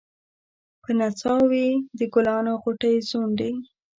په نڅا وې د ګلانو غوټۍ ځونډي